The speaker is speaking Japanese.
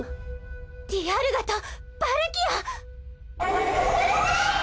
ディアルガとパルキア！